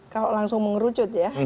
kalau langsung mengerucut ya